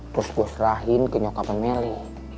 terus gue serahin ke nyokapnya nelly